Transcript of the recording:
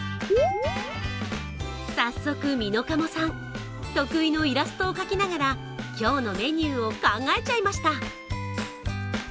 早速、ｍｉｎｏｋａｍｏさん得意のイラストを描きながら今日のメニューを考えちゃいました。